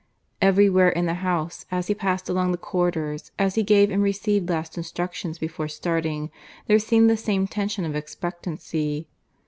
Everywhere in the house, as he passed along the corridors, as he gave and received last instructions before starting, there seemed the same tension of expectancy.